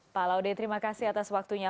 pak laude terima kasih atas waktunya